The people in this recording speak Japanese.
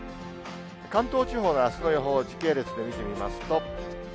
関東地方のあすの予報を時系列で見てみますと。